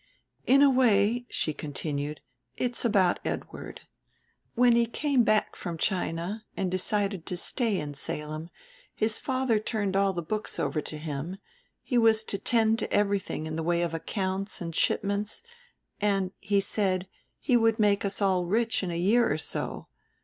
"In a way," she continued, "it's about Edward. When he came back from China and decided to stay in Salem his father turned all the books over to him; he was to tend to everything in the way of accounts and shipments; and, he said, he would make us all rich in a year or so.